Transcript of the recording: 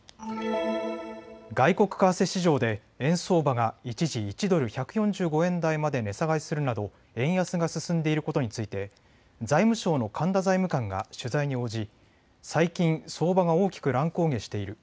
外国為替市場で円相場が一時、１ドル１４５円台まで値下がりするなど円安が進んでいることについて財務省の神田財務官が取材に応じ、最近、相場が大きく乱高下している。